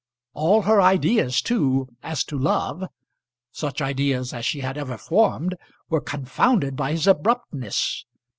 All her ideas too, as to love, such ideas as she had ever formed, were confounded by his abruptness.